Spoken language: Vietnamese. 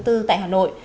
tại hà nội